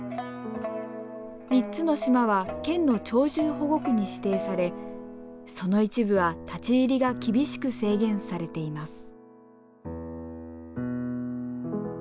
３つの島は県の鳥獣保護区に指定されその一部は立ち入りが厳しく制限されています。